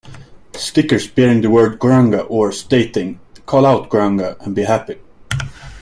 Stickers bearing the word Gouranga or stating Call out Gouranga and be happy!